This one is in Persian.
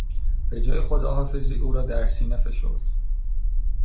به جای خداحافظی او را در سینه فشرد.